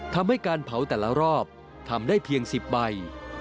ทำให้การเผาแต่ละรอบทำได้เพียง๑๐ใบ